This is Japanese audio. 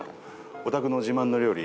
お宅の自慢の料理？